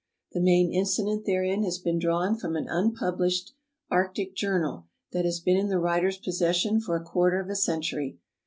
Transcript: The main incident therein has been drawn from an unpublished arctic journal that has been in the writer's possession for a quarter of a century.